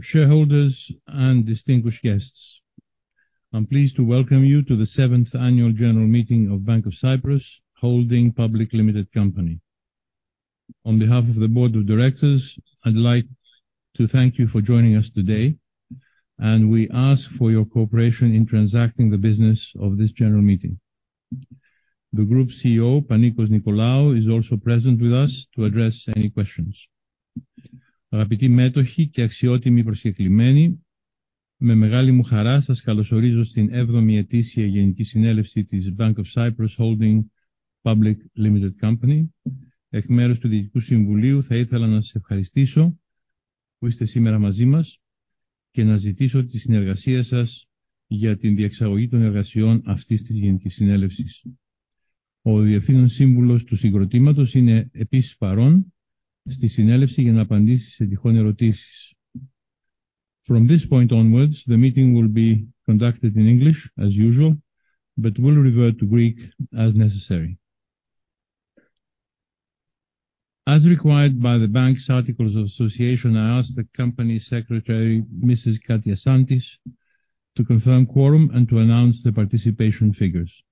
Shareholders and distinguished guests, I'm pleased to welcome you to the seventh annual general meeting of Bank of Cyprus Holdings Public Limited Company. On behalf of the board of directors, I'd like to thank you for joining us today, and we ask for your cooperation in transacting the business of this general meeting. The Group CEO, Panicos Nicolaou, is also present with us to address any questions. From this point onwards, the meeting will be conducted in English as usual, but we'll revert to Greek as necessary. As required by the Bank's Articles of Association, I ask the Company Secretary, Mrs. Katia Santis, to confirm quorum and to announce the participation figures.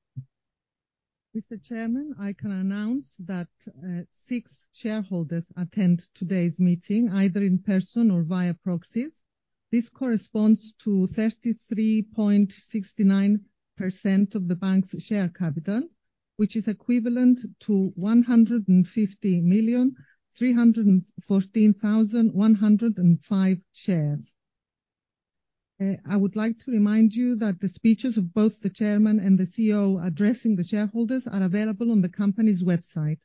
Mr. Chairman, I can announce that six shareholders attend today's meeting, either in person or via proxies. This corresponds to 33.69% of the bank's share capital, which is equivalent to 150,314,105 shares. I would like to remind you that the speeches of both the chairman and the CEO addressing the shareholders are available on the company's website.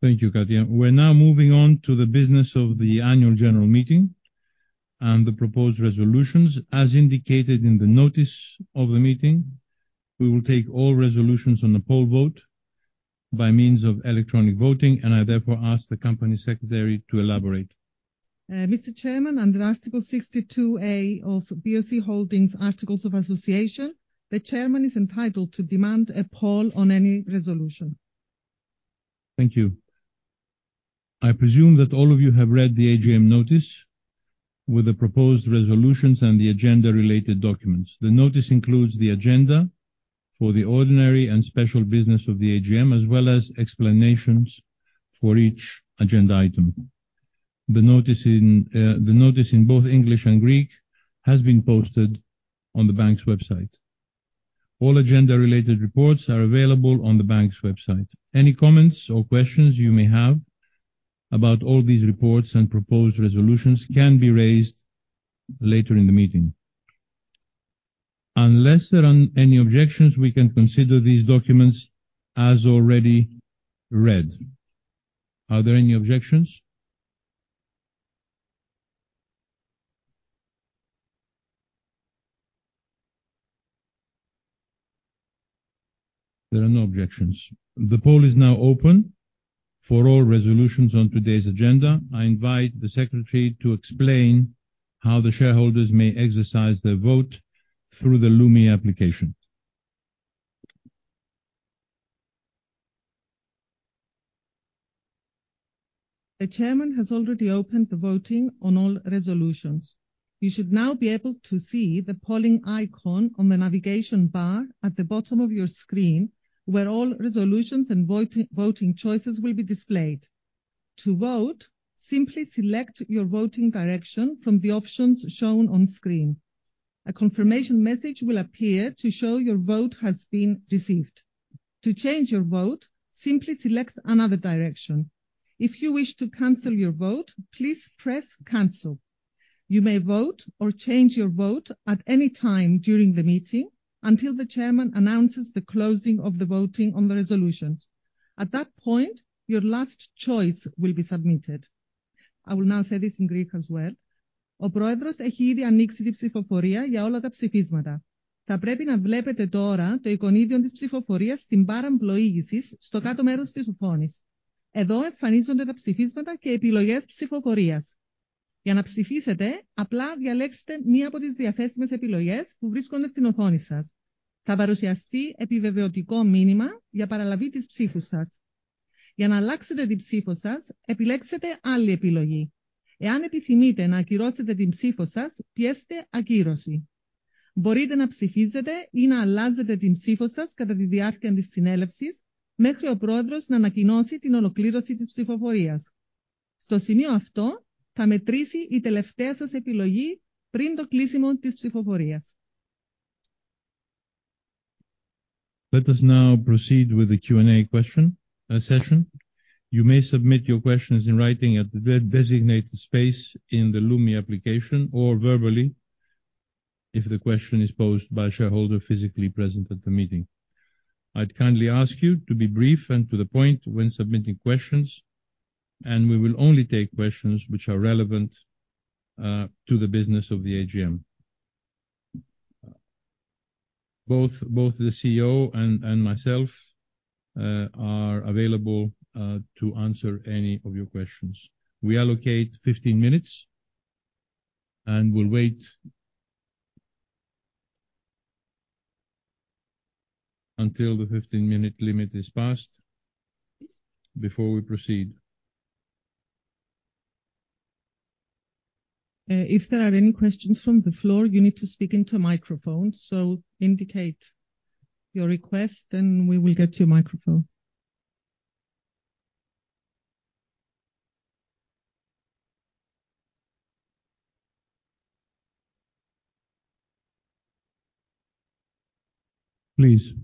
Thank you, Katia. We're now moving on to the business of the annual general meeting and the proposed resolutions. As indicated in the notice of the meeting, we will take all resolutions on the poll vote by means of electronic voting, I, therefore, ask the company secretary to elaborate. Mr. Chairman, under Article 62A of BOC Holdings Articles of Association, the chairman is entitled to demand a poll on any resolution. Thank you. I presume that all of you have read the AGM notice with the proposed resolutions and the agenda-related documents. The notice includes the agenda for the ordinary and special business of the AGM, as well as explanations for each agenda item. The notice in both English and Greek has been posted on the bank's website. All agenda related reports are available on the bank's website. Any comments or questions you may have about all these reports and proposed resolutions can be raised later in the meeting. Unless there are any objections, we can consider these documents as already read. Are there any objections? There are no objections. The poll is now open for all resolutions on today's agenda. I invite the secretary to explain how the shareholders may exercise their vote through the Lumi application. The chairman has already opened the voting on all resolutions. You should now be able to see the polling icon on the navigation bar at the bottom of your screen, where all resolutions and voting choices will be displayed. To vote, simply select your voting direction from the options shown on screen. A confirmation message will appear to show your vote has been received. To change your vote, simply select another direction. If you wish to cancel your vote, please press Cancel. You may vote or change your vote at any time during the meeting, until the chairman announces the closing of the voting on the resolutions. At that point, your last choice will be submitted. I will now say this in Greek as well. Let us now proceed with the Q&A question session. You may submit your questions in writing at the designated space in the Lumi application, or verbally, if the question is posed by a shareholder physically present at the meeting. I'd kindly ask you to be brief and to the point when submitting questions, and we will only take questions which are relevant to the business of the AGM. Both the CEO and myself are available to answer any of your questions. We allocate 15 minutes, and we'll wait until the 15-minute limit is passed before we proceed. If there are any questions from the floor, you need to speak into a microphone. Indicate your request, and we will get you a microphone. Please.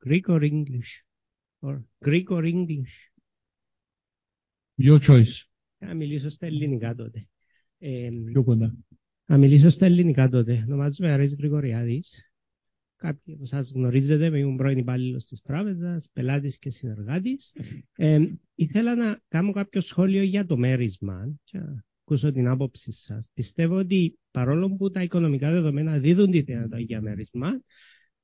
Greek or English? Or Greek or English? Your choice. Να μιλήσω στα ελληνικά τότε. Πιο κοντά. Να μιλήσω στα ελληνικά τότε. Ονομάζομαι Αριστοτέλης Γρηγοριάδης. Κάποιοι από εσάς γνωρίζετε, ήμουν πρώην υπάλληλος της τράπεζας, πελάτης και συνεργάτης. Ήθελα να κάνω κάποιο σχόλιο για το μέρισμα και να ακούσω την άποψή σας. Πιστεύω ότι παρόλο που τα οικονομικά δεδομένα δίδουν τη δυνατότητα για μέρισμα,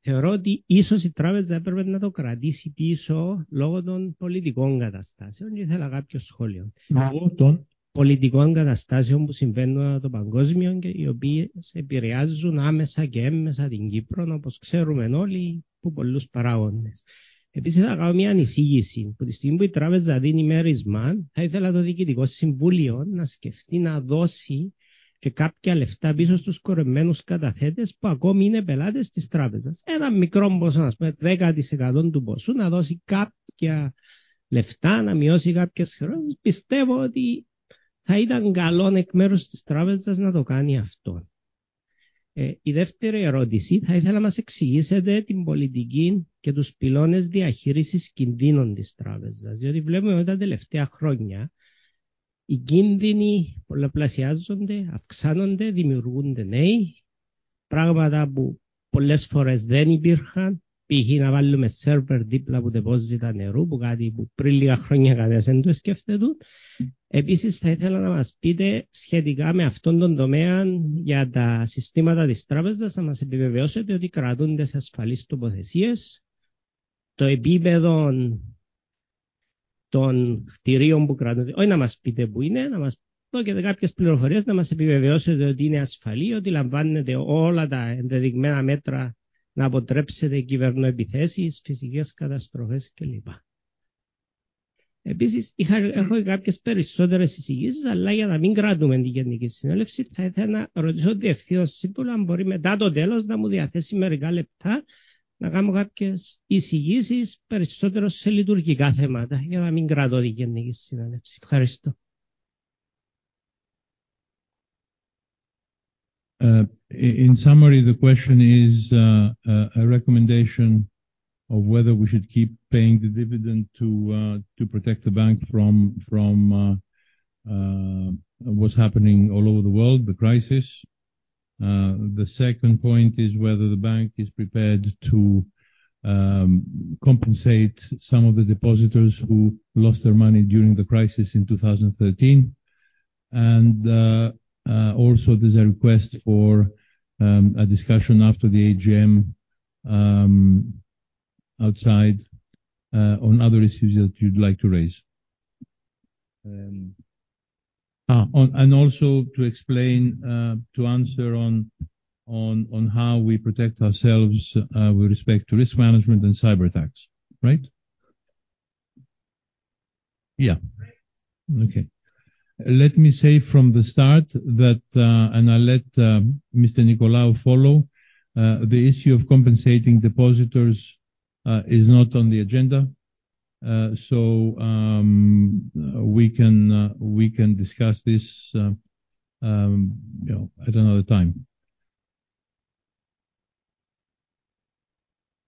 θεωρώ ότι ίσως η τράπεζα έπρεπε να το κρατήσει πίσω, λόγω των πολιτικών καταστάσεων. Ήθελα κάποιο σχόλιο. Μα- Των πολιτικών καταστάσεων που συμβαίνουν ανά το παγκόσμιο και οι οποίες επηρεάζουν άμεσα και έμμεσα την Κύπρο, όπως ξέρουμεν όλοι, από πολλούς παράγοντες. Επίσης, θα κάνω μια εισήγηση. Από τη στιγμή που η τράπεζα δίνει μέρισμα, θα ήθελα το διοικητικό συμβούλιο να σκεφτεί να δώσει και κάποια λεφτά πίσω στους κορεσμένους καταθέτες, που ακόμη είναι πελάτες της τράπεζας. Ένα μικρό ποσό, να πούμε 10% του ποσού, να δώσει κάποια λεφτά, να μειώσει κάποιες χρεώσεις. Πιστεύω ότι θα ήταν καλόν εκ μέρους της τράπεζας να το κάνει αυτό. Η δεύτερη ερώτηση, θα ήθελα να μας εξηγήσετε την πολιτική και τους πυλώνες διαχείρισης κινδύνων της τράπεζας. Διότι βλέπουμε ότι τα τελευταία χρόνια οι κίνδυνοι πολλαπλασιάζονται, αυξάνονται, δημιουργούνται νέοι, πράγματα που πολλές φορές δεν υπήρχαν. Π.χ. να βάλουμε server δίπλα από depósitos νερού, που κάτι που πριν λίγα χρόνια κανένας δεν το σκέφτεται. Θα ήθελα να μας πείτε σχετικά με αυτόν τον τομέα, για τα συστήματα της Τράπεζας, να μας επιβεβαιώσετε ότι κρατούνται σε ασφαλείς τοποθεσίες. Το επίπεδο των κτιρίων που κρατούνται, όχι να μας πείτε πού είναι, να μας δώσετε κάποιες πληροφορίες, να μας επιβεβαιώσετε ότι είναι ασφαλή, ότι λαμβάνετε όλα τα ενδεδειγμένα μέτρα, να αποτρέψετε κυβερνοεπιθέσεις, φυσικές καταστροφές και λοιπά. Έχω κάποιες περισσότερες εισηγήσεις, αλλά για να μην κρατούμε την Γενική Συνέλευση, θα ήθελα να ρωτήσω το Διευθύνον Σύμβουλο, αν μπορεί μετά το τέλος, να μου διαθέσει μερικά λεπτά, να κάνω κάποιες εισηγήσεις, περισσότερο σε λειτουργικά θέματα, για να μην κρατώ τη Γενική Συνέλευση. Ευχαριστώ. In summary, the question is a recommendation of whether we should keep paying the dividend to protect the bank from what's happening all over the world, the crisis. The second point is whether the bank is prepared to compensate some of the depositors who lost their money during the crisis in 2013. Also, there's a request for a discussion after the AGM outside on other issues that you'd like to raise. Also to explain, to answer on how we protect ourselves with respect to risk management and cyberattacks, right? Yeah. Okay. Let me say from the start that I'll let Mr. Nicolaou follow. The issue of compensating depositors is not on the agenda. We can discuss this, you know, at another time.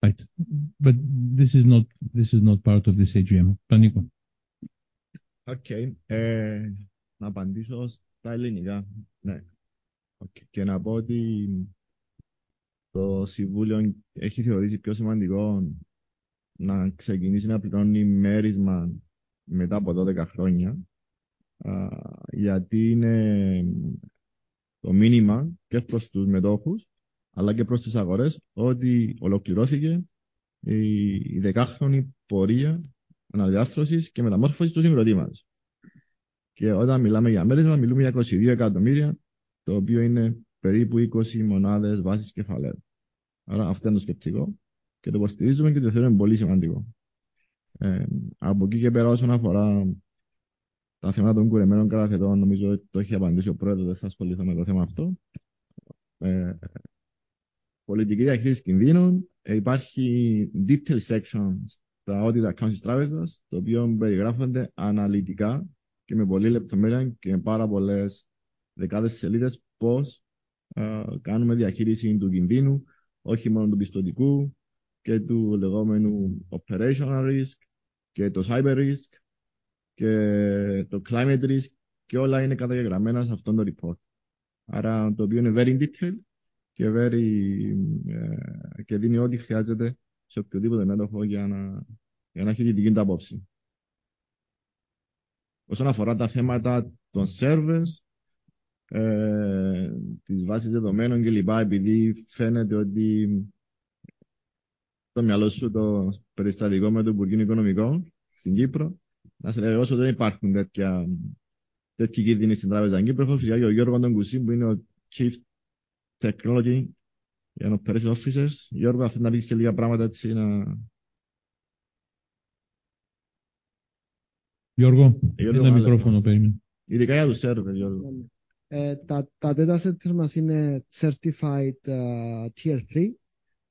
Right. This is not part of this AGM. Panicos. Okay, να απαντήσω στα ελληνικά? Ναι. Okay. Να πω ότι το συμβούλιο έχει θεωρήσει πιο σημαντικό να ξεκινήσει να πληρώνει μέρισμα μετά από 12 χρόνια, γιατί είναι το μήνυμα και προς τους μετόχους, αλλά και προς τις αγορές, ότι ολοκληρώθηκε η δεκάχρονη πορεία αναδιάρθρωσης και μεταμόρφωσης του ιδρύματός μας. Όταν μιλάμε για μέρισμα, μιλούμε για εκατομμύρια, το οποίο είναι περίπου 20 μονάδες βάσης κεφαλαίου. Αυτό είναι το σκεπτικό και το υποστηρίζουμε και το θεωρούμε πολύ σημαντικό. Από εκεί και πέρα, όσον αφορά τα θέματα των κορεσμένων καταθετών, νομίζω ότι το έχει απαντήσει ο πρόεδρος. Δεν θα ασχοληθώ με το θέμα αυτό. Πολιτική διαχείρισης κινδύνων. Υπάρχει detail section στα audit accounts της τράπεζας, το οποίο περιγράφονται αναλυτικά και με πολλή λεπτομέρεια και σε πάρα πολλές δεκάδες σελίδες, πώς κάνουμε διαχείριση του κινδύνου, όχι μόνο του πιστωτικού και του λεγόμενου operational risk και το cyber risk και το climate risk και όλα είναι καταγεγραμμένα σε αυτό το report. Το οποίο είναι very detailed και very και δίνει ότι χρειάζεται σε οποιονδήποτε μέτοχο για να έχει τη δική του άποψη. Όσον αφορά τα θέματα των servers, τις βάσεις δεδομένων και λοιπά, επειδή φαίνεται ότι στο μυαλό σου το περιστατικό με το Υπουργείο Οικονομικών στην Κύπρο. Να σε διαβεβαιώσω ότι δεν υπάρχουν τέτοια, τέτοιοι κίνδυνοι στην Τράπεζα Κύπρου. Έχω φυσικά και ο Γιώργος τον Κουσή, που είναι ο Chief Technology and Operations Officers. Γιώργο, θέλεις να πεις και λίγα πράγματα έτσι. Γιώργο, ένα μικρόφωνο παίρνει. Ειδικά για τους servers, Γιώργο. Τα data centers μας είναι certified Tier III,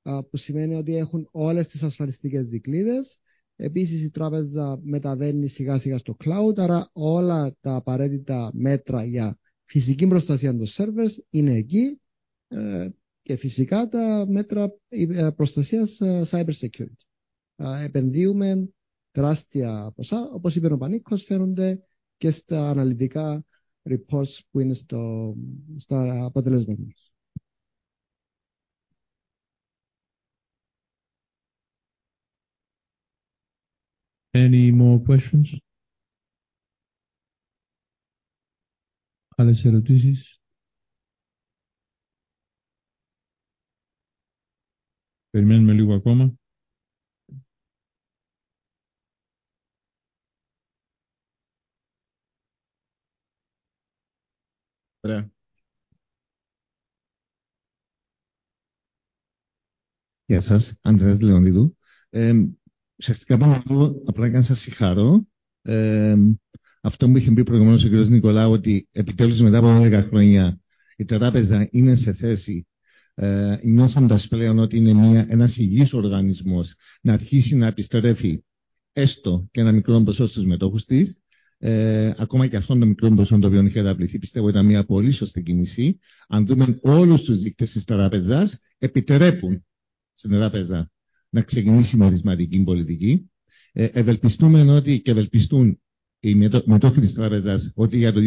που σημαίνει ότι έχουν όλες τις ασφαλιστικές δικλείδες. Επίσης, η τράπεζα μεταβαίνει σιγά σιγά στο cloud, άρα όλα τα απαραίτητα μέτρα για φυσική προστασία των servers είναι εκεί, και φυσικά τα μέτρα προστασίας cybersecurity. Επενδύουμε τεράστια ποσά, όπως είπε και ο Πανίκος, φαίνονται και στα αναλυτικά reports που είναι στα αποτελέσματά μας. Any more questions? Άλλες ερωτήσεις? Περιμένουμε λίγο ακόμα. Ωραία. Γεια σας, Ανδρέας Λεοντίδου. Ουσιαστικά ήρθα απλά για να σας συγχαρώ. Αυτό που είχε πει προηγουμένως ο Κύριος Νικολάου, ότι επιτέλους, μετά από αρκετά χρόνια η Τράπεζα είναι σε θέση, νιώθοντας πλέον ότι είναι μια, ένας υγιής οργανισμός, να αρχίσει να επιστρέφει έστω και 1 μικρό ποσό στους μετόχους της. Ακόμα και αυτό το μικρό ποσό, το οποίο είχε αναβληθεί, πιστεύω ήταν μια πολύ σωστή κίνηση. Αν δούμε όλους τους δείκτες της Τράπεζας, επιτρέπουν στην Τράπεζα να ξεκινήσει μερισματική πολιτική. Ευελπιστούμε ότι και ευελπιστούν οι μετόχοι της Τράπεζας ότι για το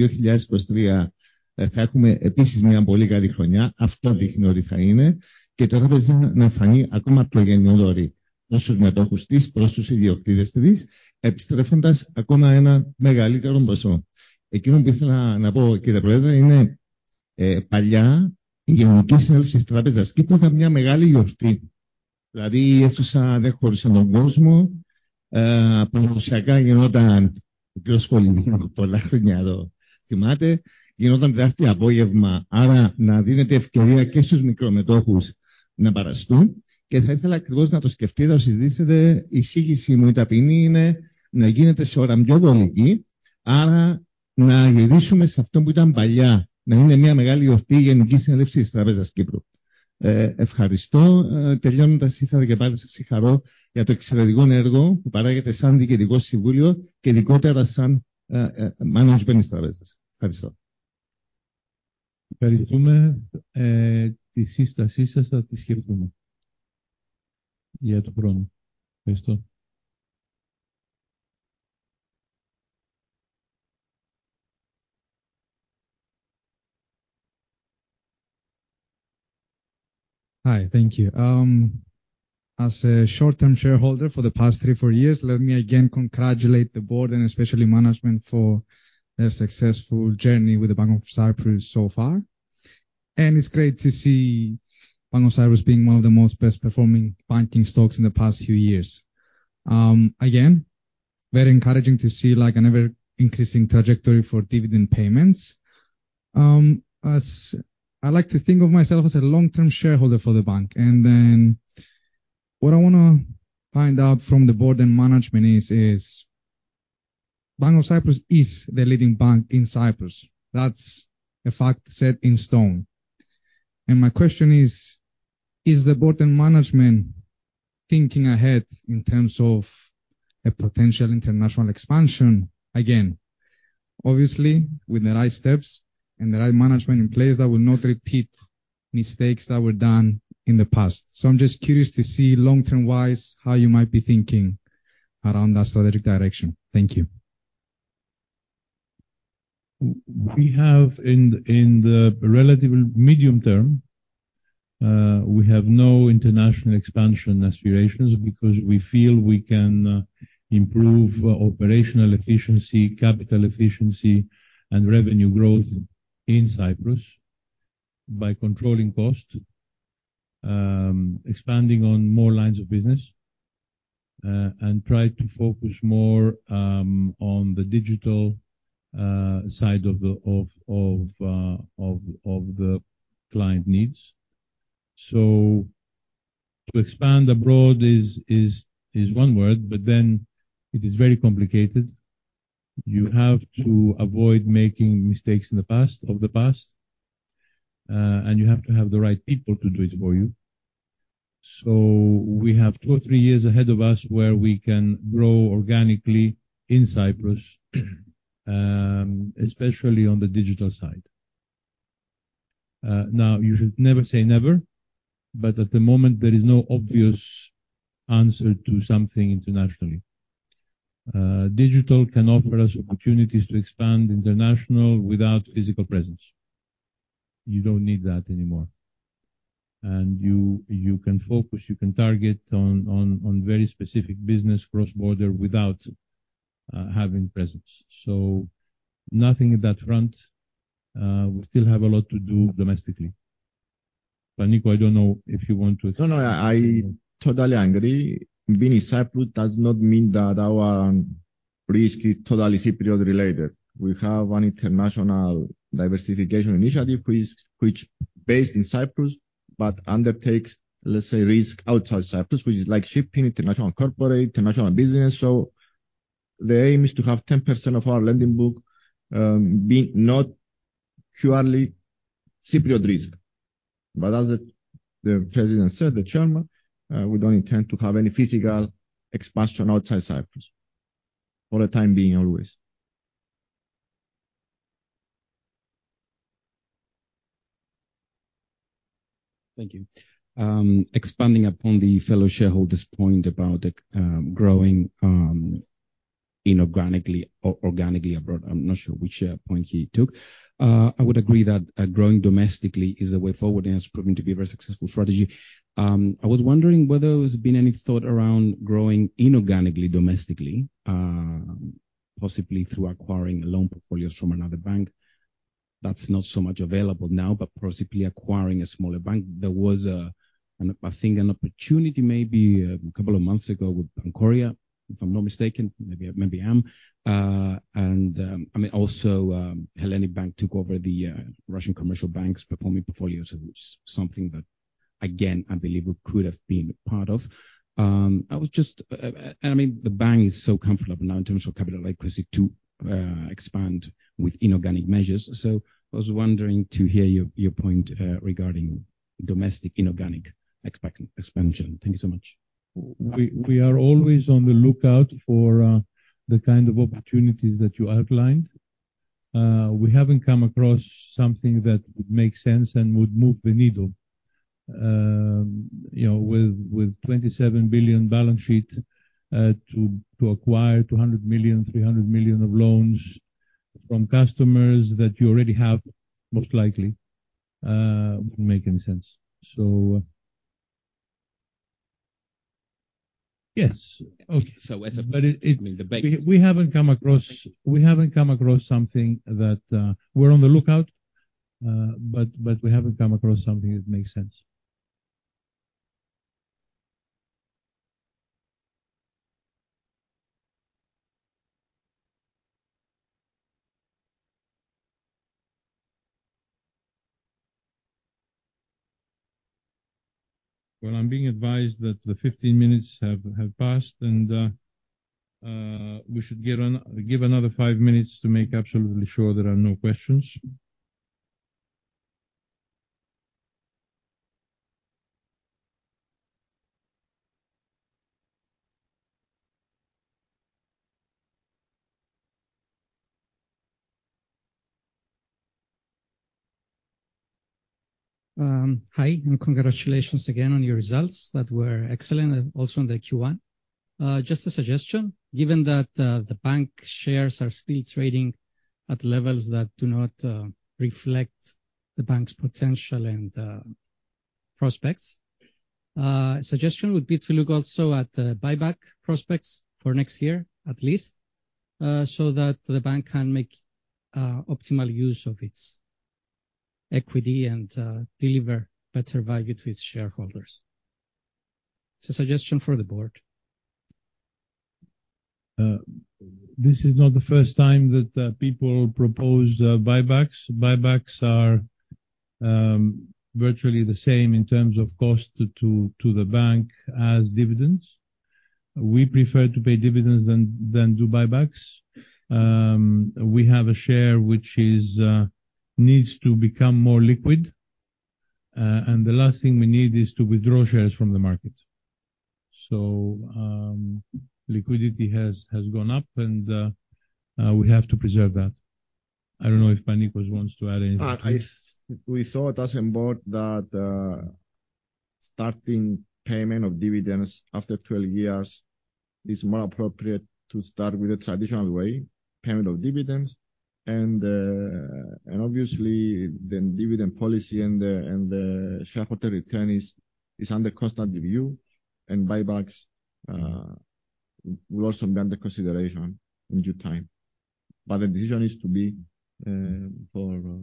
2023 θα έχουμε επίσης μια πολύ καλή χρονιά. Αυτό δείχνει ότι θα είναι και η Τράπεζα να εμφανί ακόμα γενναιόδωρη προς τους μετόχους της, προς τους ιδιοκτήτες της, επιστρέφοντας ακόμα 1 μεγαλύτερο ποσό. Εκείνο που ήθελα να πω, Κύριε Πρόεδρε, είναι, παλιά η Γενική Συνέλευση της Τράπεζας Κύπρου ήταν μια μεγάλη γιορτή. Δηλαδή, η αίθουσα δε χώραγε τον κόσμο. Παραδοσιακά γινόταν, ο κύριος Πόλυζος είναι πολλά χρόνια εδώ, θυμάται. Γινόταν Τετάρτη απόγευμα, άρα να δίνεται η ευκαιρία και στους μικρομετόχους να παραστούν. Θα ήθελα ακριβώς να το σκεφτείτε, να το συζητήσετε. Η εισήγησή μου η ταπεινή είναι να γίνεται σε ώρα πιο βολική. Να γυρίσουμε σε αυτό που ήταν παλιά, να είναι μια μεγάλη γιορτή η Γενική Συνέλευση της Τράπεζας Κύπρου. Ευχαριστώ. Τελειώνοντας, ήρθα και πάλι να συγχαρώ για το εξαιρετικό έργο που παράγετε σαν Διοικητικό Συμβούλιο και ειδικότερα σαν management της Τράπεζας. Ευχαριστώ. Ευχαριστούμε. τη σύστασή σας θα τη σκεφτούμε για του χρόνου. Ευχαριστώ. Hi, thank you. As a short term shareholder for the past three, four years, let me again congratulate the board and especially management for their successful journey with the Bank of Cyprus so far, and it's great to see Bank of Cyprus being one of the most best performing banking stocks in the past few years. Again, very encouraging to see like an ever increasing trajectory for dividend payments. As I like to think of myself as a long term shareholder for the bank, what I want to find out from the board and management is Bank of Cyprus is the leading bank in Cyprus. That's a fact set in stone. My question is: Is the board and management thinking ahead in terms of a potential international expansion? Obviously with the right steps and the right management in place that will not repeat mistakes that were done in the past. I'm just curious to see long term wise, how you might be thinking around that strategic direction. Thank you. We have in the relative medium term, we have no international expansion aspirations because we feel we can improve operational efficiency, capital efficiency and revenue growth in Cyprus by controlling costs, expanding on more lines of business, and try to focus more on the digital side of the client needs. To expand abroad is one word. It is very complicated. You have to avoid making mistakes in the past, of the past, and you have to have the right people to do it for you. We have two or three years ahead of us where we can grow organically in Cyprus, especially on the digital side. Now, you should never say never, at the moment there is no obvious answer to something internationally. Digital can offer us opportunities to expand international without physical presence. You don't need that anymore. You can focus, you can target on very specific business cross-border without having presence. Nothing at that front, we still have a lot to do domestically. Panicos, I don't know if you want to- No, no, I totally agree. Being in Cyprus does not mean that our risk is totally Cypriot related. We have an international diversification initiative, which based in Cyprus, but undertakes, let's say, risk outside Cyprus, which is like shipping, international and corporate, international business. The aim is to have 10% of our lending book being not purely Cypriot risk. As the president said, the chairman, we don't intend to have any physical expansion outside Cyprus, for the time being, always. Thank you. Expanding upon the fellow shareholder's point about the growing inorganically or organically abroad, I'm not sure which point he took. I would agree that growing domestically is a way forward, and it's proven to be a very successful strategy. I was wondering whether there's been any thought around growing inorganically, domestically, possibly through acquiring loan portfolios from another bank. That's not so much available now, but possibly acquiring a smaller bank. There was an opportunity maybe a couple of months ago with Bank of Korea, if I'm not mistaken. Maybe I am. I mean, also, Hellenic Bank took over the Russian commercial banks performing portfolios, which is something that, again, I believe we could have been part of. I was just... I mean, the bank is so comfortable now in terms of capital adequacy to expand with inorganic measures. I was wondering to hear your point regarding domestic inorganic expansion. Thank you so much. We are always on the lookout for the kind of opportunities that you outlined. We haven't come across something that would make sense and would move the needle. You know, with 27 billion balance sheet, to acquire 200 million, 300 million of loans from customers that you already have, most likely, wouldn't make any sense. Yes. Okay. So as a- But it, it- I mean, We haven't come across something that. We're on the lookout, but we haven't come across something that makes sense. Well, I'm being advised that the 15 minutes have passed, and we should give another five minutes to make absolutely sure there are no questions. Um, hi, and congratulations again on your results that were excellent, and also on the Q1. Uh, just a suggestion, given that, uh, the bank shares are still trading at levels that do not, uh, reflect the bank's potential and, uh, prospects, uh, suggestion would be to look also at, uh, buyback prospects for next year, at least, uh, so that the bank can make, uh, optimal use of its equity and, uh, deliver better value to its shareholders. It's a suggestion for the board. This is not the first time that people propose buybacks. Buybacks are virtually the same in terms of cost to the bank as dividends. We prefer to pay dividends than do buybacks. We have a share which needs to become more liquid, and the last thing we need is to withdraw shares from the market. Liquidity has gone up, and we have to preserve that. I don't know if Panicos wants to add anything. We thought as a board that starting payment of dividends after 12 years is more appropriate to start with the traditional way, payment of dividends. Obviously, then dividend policy and the shareholder return is under constant review, and buybacks will also be under consideration in due time. The decision is to be for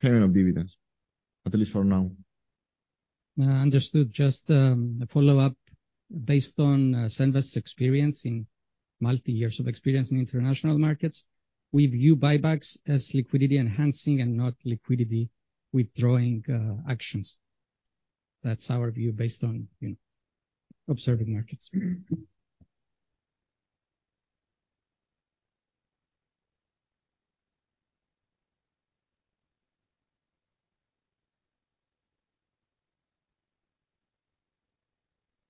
payment of dividends, at least for now. Understood. Just a follow-up. Based on Senvest's experience in multi-years of experience in international markets, we view buybacks as liquidity enhancing and not liquidity withdrawing actions. That's our view, based on observing markets.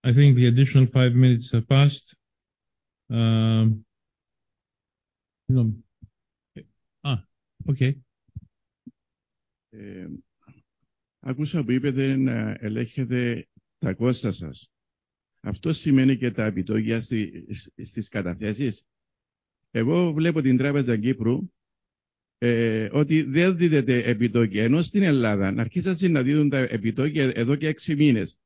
I think the additional five minutes have passed. No. Okay.... ότι δε δίνετε επιτόκια, ενώ στην Ελλάδα αρχίσατε να δίνουν τα επιτόκια εδώ και 6 μήνες.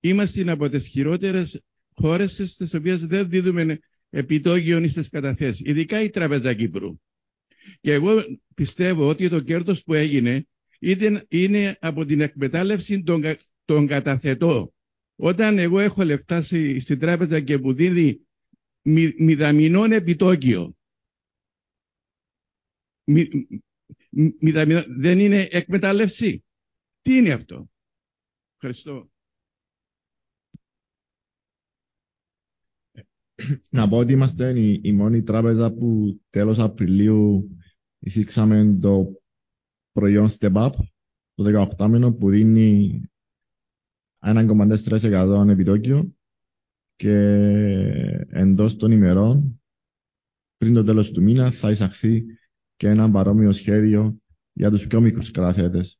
Είμαστε από τις χειρότερες χώρες στις οποίες δε δίνουμε επιτόκιο στις καταθέσεις, ειδικά η Τράπεζα Κύπρου. Και εγώ πιστεύω ότι το κέρδος που έγινε είναι από την εκμετάλλευση των καταθετών. Όταν εγώ έχω λεφτά στη, στην τράπεζα και μου δίνει μηδαμινό επιτόκιο, μηδαμινό, δεν είναι εκμετάλλευση; Τι είναι αυτό; Ευχαριστώ. Να πω ότι είμαστε η μόνη τράπεζα που τέλος Απριλίου εισήγαμε το προϊόν Step Up, το δεκαοχτάμηνο, που δίνει 1.4% επιτόκιο και εντός των ημερών, πριν το τέλος του μήνα, θα εισαχθεί και ένα παρόμοιο σχέδιο για τους πιο μικρούς καταθέτες.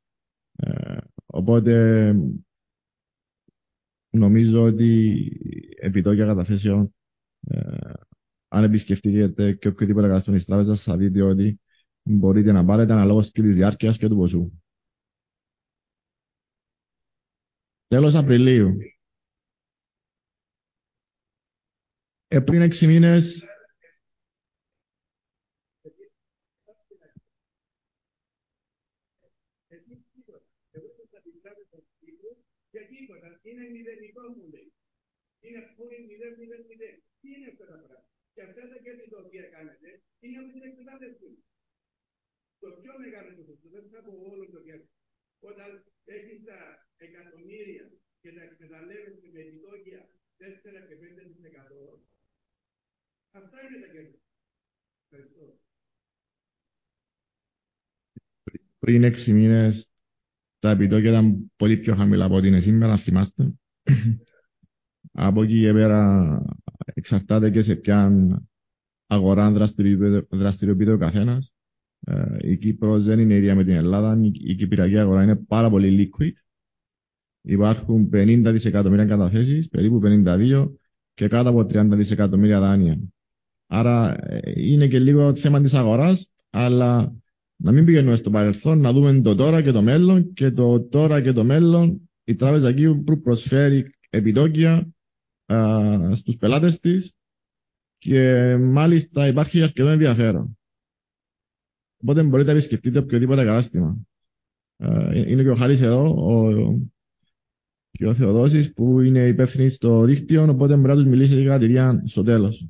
Νομίζω ότι επιτόκια καταθέσεων, αν επισκεφτείτε οποιοδήποτε κατάστημα της Τράπεζας, θα δείτε ότι μπορείτε να πάρετε, αναλόγως και της διάρκειας και του ποσού. Τέλος Απριλίου. Πριν 6 μήνες. Εγώ ήμουν στην Τράπεζα της Κύπρου και τίποτα, είναι 0 που λέει. Είναι full 0, 0. Τι είναι αυτά τα πράγματα; Αυτά τα κέρδη τα οποία κάνατε είναι από την εκμετάλλευση. Το πιο μεγάλο ποσοστό, δεν θα πω όλο το κέρδος. Όταν έχεις τα εκατομμύρια και τα εκμεταλλεύεσαι με επιτόκια 4% και 5%, αυτά είναι τα κέρδη σου. Ευχαριστώ. Πριν 6 μήνες τα επιτόκια ήταν πολύ πιο χαμηλά από ότι είναι σήμερα, αν θυμάστε. Από εκεί και πέρα, εξαρτάται και σε ποια αγορά δραστηριοποιείται ο καθένας. Η Κύπρος δεν είναι ίδια με την Ελλάδα. Η κυπριακή αγορά είναι πάρα πολύ liquid. Υπάρχουν 50 δισεκατομμύρια καταθέσεις, περίπου 52 και κάτω από 30 δισεκατομμύρια δάνεια. Είναι και λίγο θέμα της αγοράς. Να μην πηγαίνουμε στο παρελθόν, να δούμε το τώρα και το μέλλον. Το τώρα και το μέλλον, η Τράπεζα Κύπρου προσφέρει επιτόκια στους πελάτες της και μάλιστα υπάρχει αρκετό ενδιαφέρον. Μπορείτε να επισκεφτείτε οποιοδήποτε κατάστημα. Είναι και ο Χάρης εδώ και ο Θεοδόσης, που είναι υπεύθυνοι στο δίκτυο, μπορείτε να τους μιλήσετε για κάτι στο τέλος.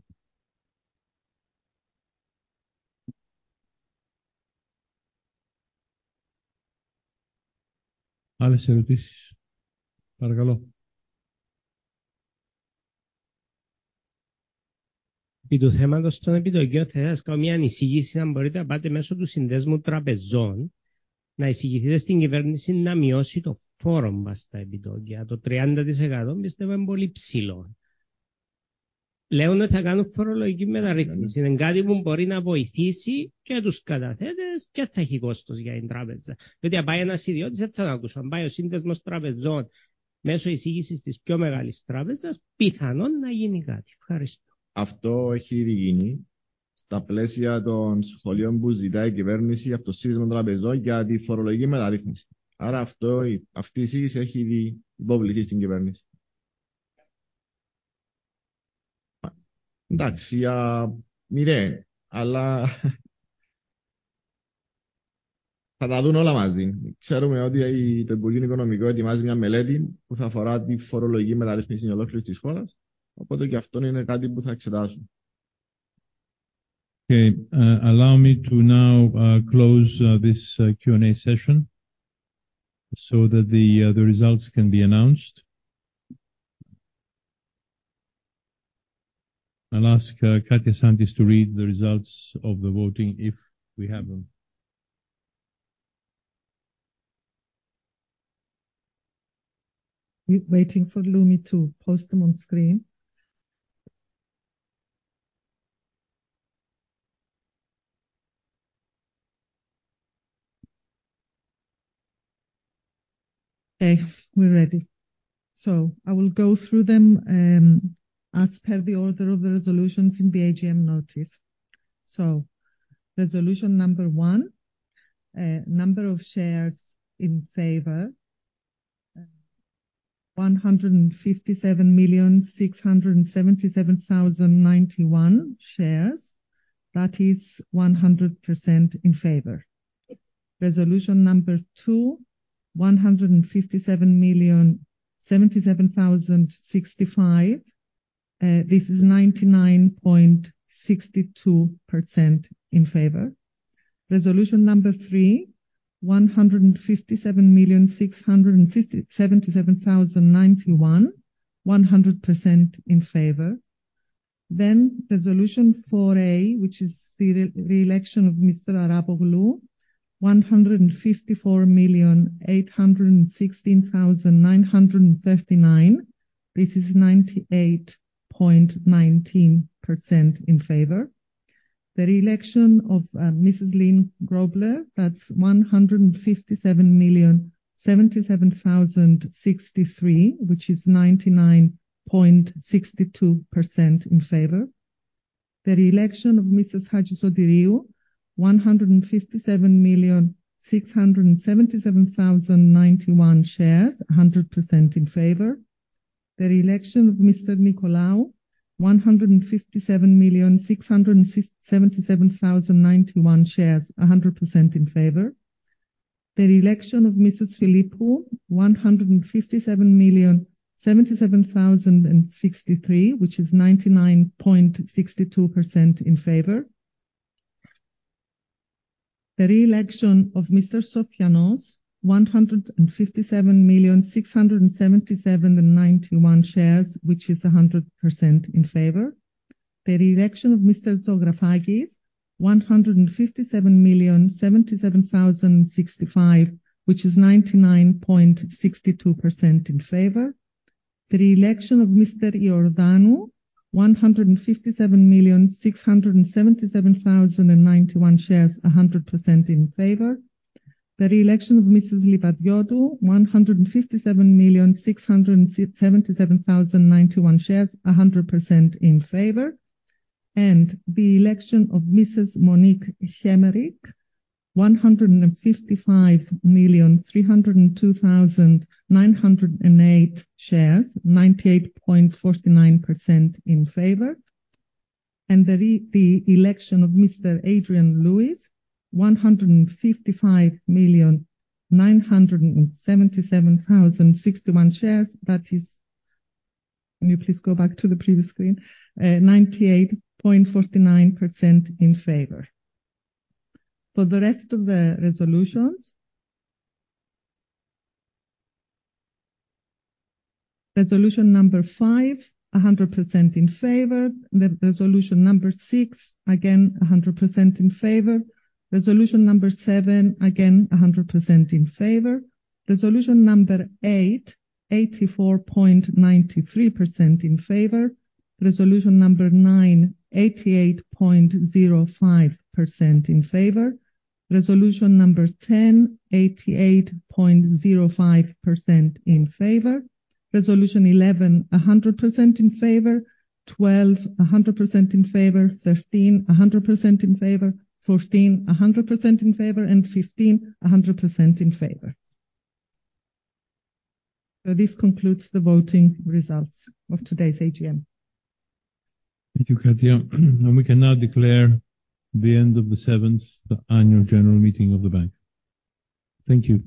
Άλλες ερωτήσεις; Παρακαλώ. Επί του θέματος των επιτοκίων, θα ήθελα να σας κάνω μια εισήγηση, αν μπορείτε να πάτε μέσω του Συνδέσμου Τραπεζών, να εισηγηθείτε στην κυβέρνηση να μειώσει το φόρο μας στα επιτόκια. Το 30% πιστεύω είναι πολύ ψηλό. Λένε ότι θα κάνουν φορολογική μεταρρύθμιση. Είναι κάτι που μπορεί να βοηθήσει και τους καταθέτες και δε θα έχει κόστος για την τράπεζα. Διότι, αν πάει ένας ιδιώτης, δε θα τον ακούσουν. Αν πάει ο Σύνδεσμος Τραπεζών, μέσω εισήγησης της πιο μεγάλης τράπεζας, πιθανόν να γίνει κάτι. Ευχαριστώ. Αυτό έχει ήδη γίνει, στα πλαίσια των σχολίων που ζητάει η κυβέρνηση από το Σύνδεσμο Τραπεζών για τη φορολογική μεταρρύθμιση. Αυτό, αυτή η εισήγηση έχει ήδη υποβληθεί στην κυβέρνηση. Εντάξει, για 0, αλλά θα τα δουν όλα μαζί. Ξέρουμε ότι το Υπουργείο Οικονομικών ετοιμάζει μια μελέτη που θα αφορά τη φορολογική μεταρρύθμιση ολόκληρης της χώρας, οπότε και αυτό είναι κάτι που θα εξετάσουν. Okay, allow me to now close this Q&A session, so that the results can be announced. I'll ask Katia Santis to read the results of the voting if we have them. Waiting for Lumi to post them on screen. Okay, we're ready! I will go through them as per the order of the resolutions in the AGM notice. Resolution number one, number of shares in favor: 157,677,091 shares. That is 100% in favor. Resolution number two: 157,077,065. This is 99.62% in favor. Resolution number three: 157,677,091, 100% in favor. Resolution 4A, which is the re-election of Mr. Arapoglou: 154,816,939. This is 98.19% in favor. The re-election of Mrs. Lyn Grobler, that's 157,077,063, which is 99.62% in favor. The re-election of Mrs. Hadjisotiriou, 157,677,091 shares, 100% in favor. The re-election of Mr. Nicolaou, 157,677,091 shares, 100% in favor. The re-election of Mrs. Philippou, 157,077,063, which is 99.62% in favor. The re-election of Mr. Sofianos, 157,677,091 shares, which is 100% in favor. The re-election of Mr. Zographakis, 157,077,065, which is 99.62% in favor. The re-election of Mr. Iordanou, 157,677,091 shares, 100% in favor. The re-election of Mrs. Livadiotou, 157,677,091 shares, 100% in favor. The election of Mrs. Monique Hemerijck, 155,302,908 shares, 98.49% in favor. The election of Mr. Adrian Lewis, 155,977,061 shares. That is. Can you please go back to the previous screen? 98.49% in favor. For the rest of the resolutions, Resolution number 5, 100% in favor. Resolution number 6, again, 100% in favor. Resolution number 7, again, 100% in favor. Resolution number 8, 84.93% in favor. Resolution number 9, 88.05% in favor. Resolution number 10, 88.05% in favor. Resolution 11, 100% in favor. 12, 100% in favor. 13, 100% in favor. 14, 100% in favor, and 15, 100% in favor. This concludes the voting results of today's AGM. Thank you, Katia. We can now declare the end of the seventh Annual General Meeting of the bank. Thank you.